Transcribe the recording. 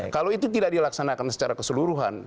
kalau itu tidak dilaksanakan secara keseluruhan